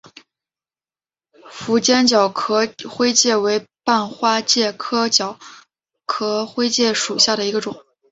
符坚角壳灰介为半花介科角壳灰介属下的一个种。